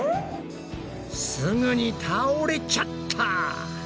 すぐに倒れちゃった。